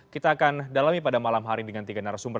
kita akan dalami pada malam hari dengan tiga narasumber